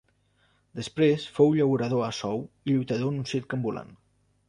Després fou llaurador a sou i lluitador en un circ ambulant.